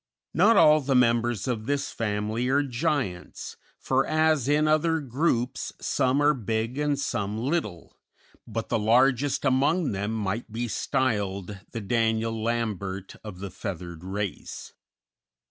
Not all the members of this family are giants, for as in other groups, some are big and some little, but the largest among them might be styled the Daniel Lambert of the feathered race.